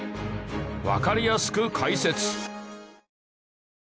わかりやすく解説。